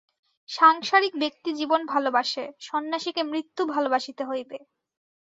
সাংসারিক ব্যক্তি জীবন ভালবাসে, সন্ন্যাসীকে মৃত্যু ভালবাসিতে হইবে।